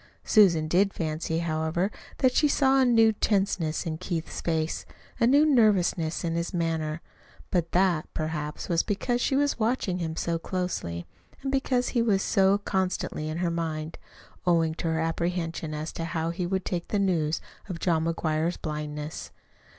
Susan did fancy, however, that she saw a new tenseness in Keith's face, a new nervousness in his manner; but that, perhaps, was because she was watching him so closely, and because he was so constantly in her mind, owing to her apprehension as to how he would take the news of John McGuire's blindness.